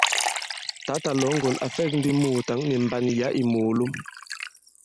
Tǎtà Lɔ̌ŋgon à fɛ̂k ndi mùùtǎŋ nì mbàn yǎ ì mòòlom.